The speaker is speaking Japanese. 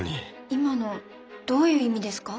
今のどういう意味ですか？